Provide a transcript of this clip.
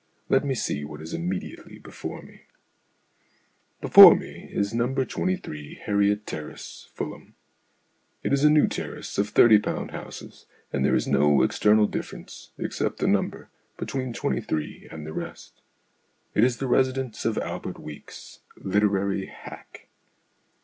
Let me see what is immediately before me. Before me is No. 23 Harriet Terrace, Fulham. It is a new terrace of thirty pound houses, and there is no external difference, except the number, between 23 and the rest. It is the residence of Albert Weeks, literary hack.